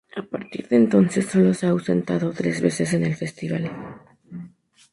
A partir de entonces solo se ha ausentado tres veces en el festival.